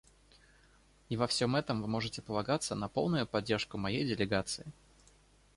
И во всем этом вы можете полагаться на полную поддержку моей делегации.